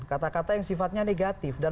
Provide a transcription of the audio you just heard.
kata kata yang sifatnya negatif dan